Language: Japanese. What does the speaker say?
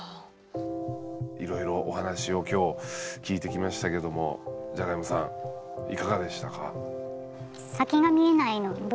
いろいろお話を今日聞いてきましたけどもじゃがいもさんいかがでしたか？